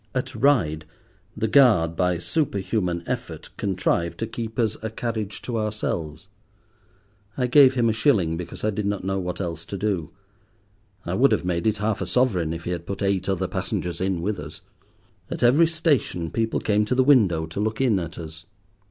At Ryde the guard, by superhuman effort, contrived to keep us a carriage to ourselves. I gave him a shilling, because I did not know what else to do. I would have made it half a sovereign if he had put eight other passengers in with us. At every station people came to the window to look in at us.